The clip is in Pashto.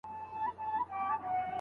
څوک سپین ږیري وه د ښار څوک یې ځوانان ول